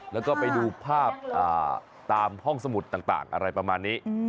แล้วก็ไปดูภาพตามห้องสมุดต่างอะไรประมาณนี้